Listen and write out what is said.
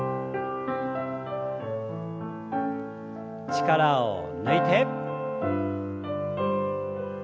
力を抜いて。